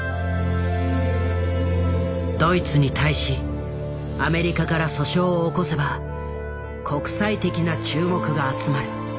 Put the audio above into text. ドイツに対しアメリカから訴訟を起こせば国際的な注目が集まる。